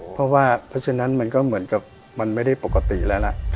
เพราะฉะนั้นมันก็เหมือนกับมันไม่ได้ปกติแล้วละ